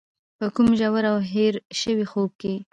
په کوم ژور او هېر شوي خوب کې.